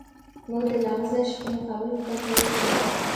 موږ د لغزش په مقابل کې کنټرول کوو